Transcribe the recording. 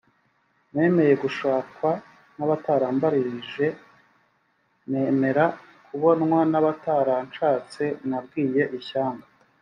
nemeye gushakwa n’ abatarambaririje g’ nemera kubonwa n’ abataranshatse nabwiye ishyanga